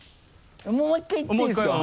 もう１回いっていいですか？